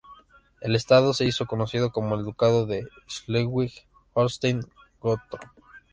El Estado se hizo conocido como el Ducado de Schleswig-Holstein-Gottorp.